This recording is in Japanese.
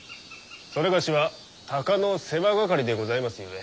某は鷹の世話係でございますゆえ。